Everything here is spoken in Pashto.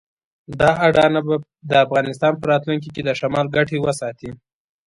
دا اډانه به د افغانستان په راتلونکي کې د شمال ګټې وساتي.